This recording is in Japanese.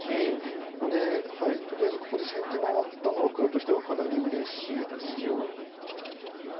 ここでとりあえず先手回ったのは黒としてはかなりうれしいです。